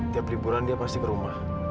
tiap liburan dia pasti ke rumah